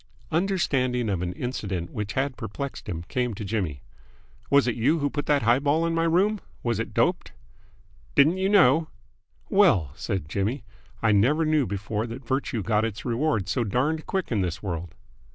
Understanding of an incident which had perplexed him came to Jimmy. "Was it you who put that high ball in my room? Was it doped?" "Didn't you know?" "Well," said Jimmy, "I never knew before that virtue got its reward so darned quick in this world.